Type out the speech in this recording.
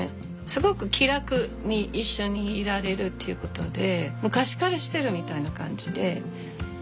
すごく気楽に一緒にいられるっていうことで昔から知ってるみたいな感じで。